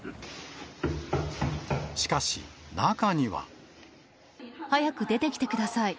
しかし、中には。早く出てきてください。